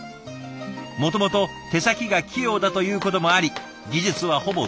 もともと手先が器用だということもあり技術はほぼ独学で習得。